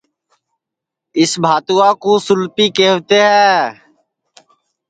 اِس بھاتوا کُو سُولپی کیہوتے ہے